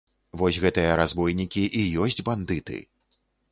Вось гэтыя разбойнікі і ёсць бандыты.